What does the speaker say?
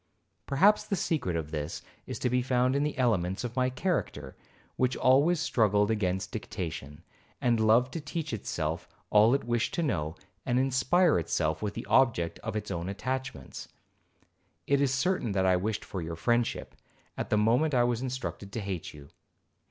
Perhaps the secret of this is to be found in the elements of my character, which always struggled against dictation, and loved to teach itself all it wished to know, and inspire itself with the object of its own attachments. It is certain that I wished for your friendship, at the moment I was instructed to hate you.